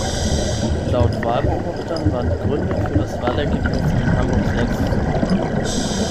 Laut Wahlbeobachtern waren die Gründe für das Wahlergebnis in Hamburg selbst zu suchen.